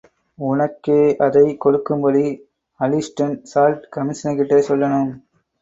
ஒனக்கே அதைக் கொடுக்கும்படி... அலிஸ்டெண்ட் சால்ட் கமிஷனர்கிட்டே சொல்லணும்.